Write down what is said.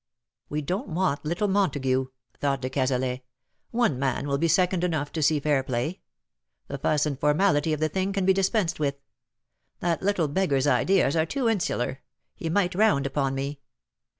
''We don't want little Montagu,'' thought de Cazalet. " One man will be second enough to see fair play. The fuss and formality of the thing can be dispensed with. That little beggar's ideas are too insular — he might round upon me."